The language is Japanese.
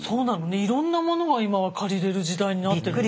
いろんなものが今は借りれる時代になってるのね。